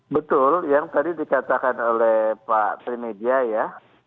betul yang tadi dikatakan oleh pak tri media ya